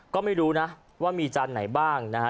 ก็ไม่รู้นะว่ามีจานไหนบ้างนะฮะ